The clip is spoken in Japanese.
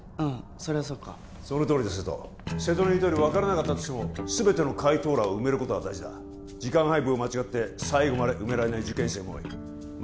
そりゃそうかそのとおりだ瀬戸瀬戸の言うとおり分からなかったとしても全ての解答欄を埋めることは大事だ時間配分を間違って最後まで埋められない受験生も多いま